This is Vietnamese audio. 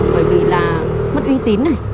bởi vì là mất uy tín này